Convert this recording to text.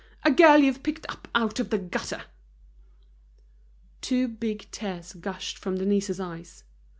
A girl you've picked up out of the gutter!" Two big tears gushed from Denise's eyes.